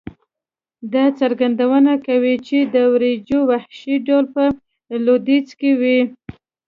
دا څرګندونه کوي چې د وریجو وحشي ډول په ختیځ کې وې.